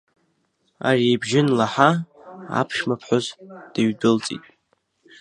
Ари ибжьы анлаҳа, аԥшәма ԥҳәыс дыҩдәылҵит.